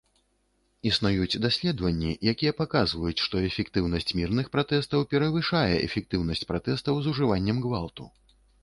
Існуюць даследаванні, якія паказваюць, што эфектыўнасць мірных пратэстаў перавышае эфектыўнасць пратэстаў з ужываннем гвалту.